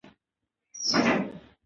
سرحدونه د افغانستان د ملي هویت نښه ده.